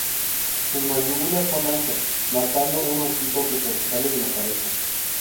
Sus mandíbulas son anchas, marcando un hocico que sobresale de la cabeza.